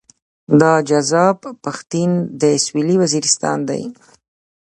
دا جذاب پښتين د سويلي وزيرستان دی.